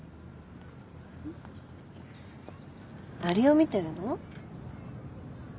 アリを見てるの？